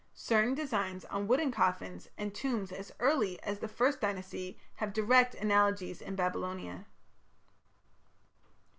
Certain designs on wooden coffins, and tombs as early as the First Dynasty, have direct analogies in Babylonia.